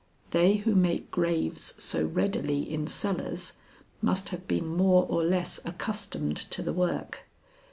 They who make graves so readily in cellars must have been more or less accustomed to the work.